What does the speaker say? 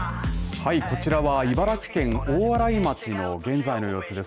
はい、こちらは茨城県大洗町の現在の様子です